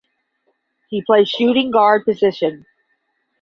He plays shooting guard position.